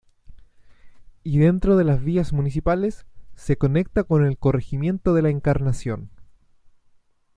Y dentro de las vías municipales, se conecta con el corregimiento de La Encarnación.